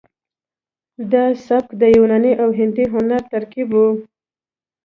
دا سبک د یوناني او هندي هنر ترکیب و